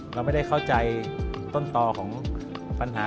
เราไม่ได้เข้าใจต้นต่อของปัญหา